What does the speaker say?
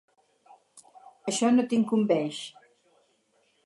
Això no t'incumbeix.